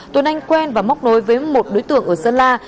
tuấn anh quen và móc nối với một đối tượng ở sơn la